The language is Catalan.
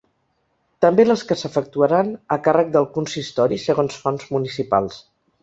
També les que s’efectuaran a càrrec del consistori, segons fonts municipals.